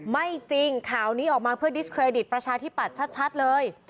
ไม่จริงข่าวนี้ออกมาเพื่อดิสเครดิตประชาธิปัตย์ชัดเลย